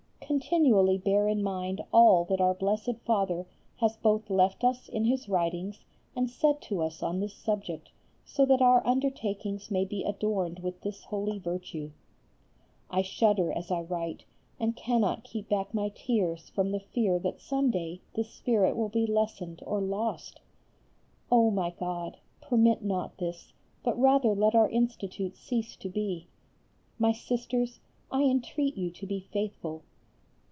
Continually bear in mind all that our Blessed Father has both left us in his writings and said to us on this subject, so that our undertakings may be adorned with this holy virtue. I shudder as I write and cannot keep back my tears from the fear that some day this spirit will be lessened or lost. Oh my God! permit not this, but rather let our Institute cease to be. My Sisters, I entreat you to be faithful.